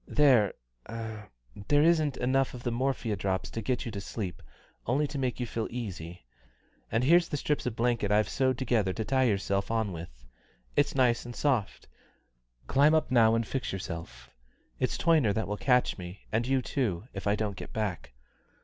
There there isn't enough of the morphia drops to get you to sleep, only to make you feel easy; and here's the strips of blanket I've sewed together to tie yourself on with. It's nice and soft climb up now and fix yourself. It's Toyner that will catch me, and you too, if I don't get back.